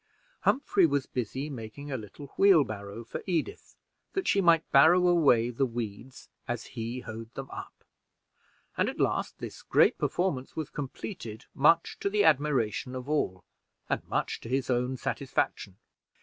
Humphrey was busy making a little wheelbarrow for Edith, that she might barrow away the weeds as he hoed them up; and at last this great performance was completed, much to the admiration of all, and much to his own satisfaction.